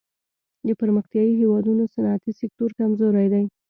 د پرمختیايي هېوادونو صنعتي سکتور کمزوری دی.